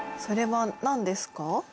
それは何ですか？